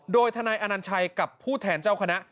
โดยทนายอนัญชัยกับผู้แทนเจ้าคณะ